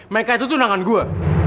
meka itu tuh tunangan gue